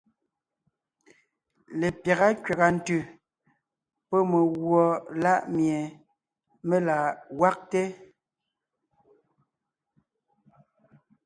Lepyága kẅàga ntʉ̀ pɔ́ megùɔ láʼ mie mé la gwagte.